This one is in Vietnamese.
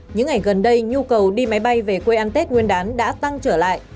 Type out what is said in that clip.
những ngày gần đây nhu cầu đi máy bay về quê ăn tết nguyên đán đã tăng trở lại